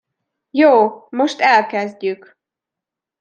Jó, most elkezdjük!